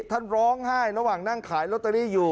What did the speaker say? ท่านร้องไห้ระหว่างนั่งขายลอตเตอรี่อยู่